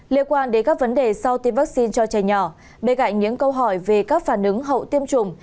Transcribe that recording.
liên quan đến các vấn đề sau tiêm vaccine cho trẻ nhỏ bên cạnh những câu hỏi về các phản ứng hậu tiêm chủng